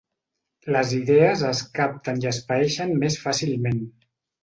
Les idees es capten i es paeixen més fàcilment.